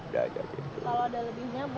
kalau ada lebihnya buat